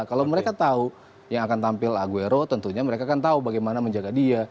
kalau mereka tahu yang akan tampil aguero tentunya mereka akan tahu bagaimana menjaga dia